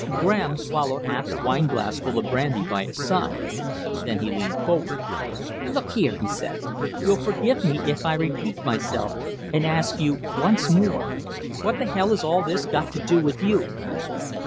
Graham swallowed half a wineglassful of the brandy by his side. Then he leaned forward. "Look here," he said, "you'll forgive me if I repeat myself and ask you once more what the hell has all this got to do with you?"